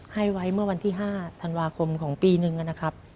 ให้ไว้เมื่อวันที่๕ธันวาคมของปีนึงนะครับ